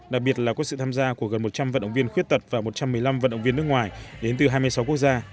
đặc biệt là có sự tham gia của gần một trăm linh vận động viên khuyết tật và một trăm một mươi năm vận động viên nước ngoài đến từ hai mươi sáu quốc gia